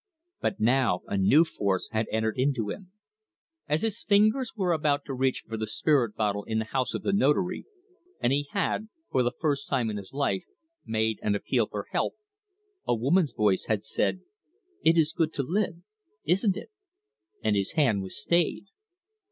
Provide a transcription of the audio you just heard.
But now a new force had entered into him. As his fingers were about to reach for the spirit bottle in the house of the Notary, and he had, for the first time in his life, made an appeal for help, a woman's voice had said, "It is good to live, isn't it?" and his hand was stayed.